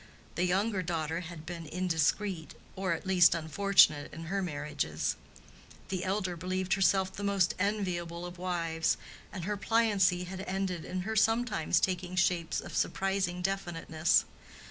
The younger sister had been indiscreet, or at least unfortunate in her marriages; the elder believed herself the most enviable of wives, and her pliancy had ended in her sometimes taking shapes of surprising definiteness.